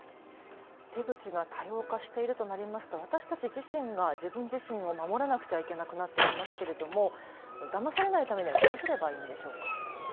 手口が多様化しているとなりますと私たち自身が自分自身を守らなくてはいけなくなってきますけれどもだまされないためにはどうすればいいんでしょうか。